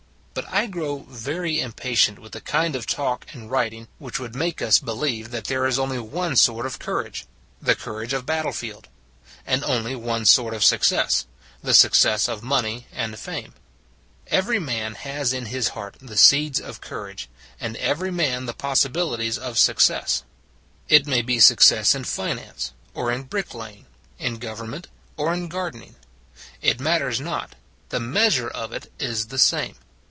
But I grow very impatient with the kind of talk and writing which would make us 1 88 It s a Good Old World believe that there is only one sort of cour age the courage of battlefield; and only one sort of success the success of money, and fame. Every man has in his heart the seeds of courage; and every man the possibilities of success. It may be success in finance or in brick laying; in government or in gardening. It matters not: the measure of it is the same.